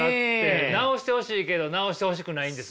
直してほしいけど直してほしくないんです。